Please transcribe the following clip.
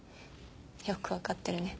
よく分かってるね。